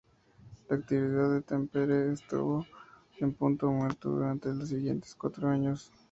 La actividad del Tampere estuvo en punto muerto durante los siguientes cuatro años.